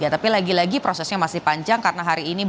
tapi lagi lagi prosesnya masih panjang karena hari ini